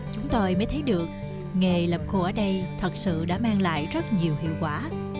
chúng tôi mới thấy được nghề làm khô ở đây thật sự đã mang lại rất nhiều hiệu quả